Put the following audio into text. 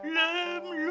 nam lo udah besok